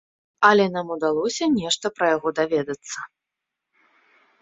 Але нам удалося нешта пра яго даведацца.